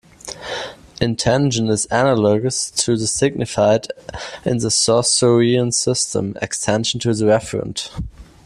Intension is analogous to the signified in the Saussurean system, extension to the referent.